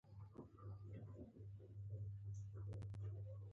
د ننګرهار په کوټ کې د تالک کانونه دي.